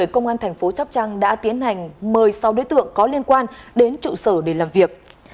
công an thành phố sóc trăng đã tiến hành mời sáu đối tượng có liên quan đến trụ sở để làm việc